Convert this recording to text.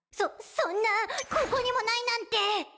そんなここにもないなんて！